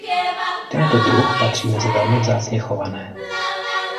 Tento druh patří mezi velmi vzácně chované.